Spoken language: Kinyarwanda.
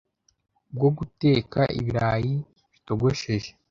bwo guteka ibirayi bitogosheje